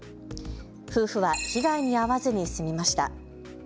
夫婦は被害に遭わずに済みました。